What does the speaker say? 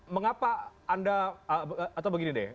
mengapa anda atau begini deh